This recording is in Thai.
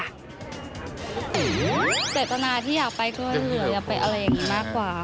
เจตนาที่อยากไปช่วยเหลืออยากไปอะไรอย่างนี้มากกว่า